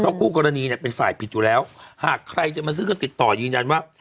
คู่กรณีเนี่ยเป็นฝ่ายผิดอยู่แล้วหากใครจะมาซื้อก็ติดต่อยืนยันว่า